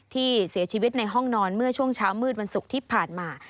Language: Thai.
ที่เสียชีวิตในห้องนอนเมื่อช่วงเช้ามืดวันศุกร์ที่ผ่านมา